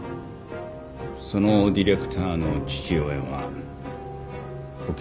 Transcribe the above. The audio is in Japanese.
そのディレクターの父親は沖野島晃三